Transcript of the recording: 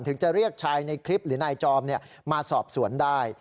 ถึงจะเรียกชายในคลิปหรือนายจอมมาสอบสวนได้